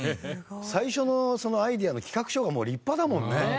最初のそのアイデアの企画書がもう立派だもんね。